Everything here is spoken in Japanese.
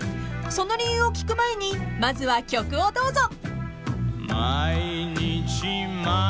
［その理由を聞く前にまずは曲をどうぞ］